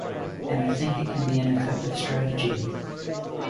And I think it can be an effective strategy.